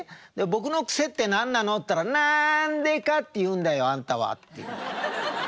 「僕の癖って何なの？」って言ったら「『なんでか？』」って言うんだよあんたは」って言うの。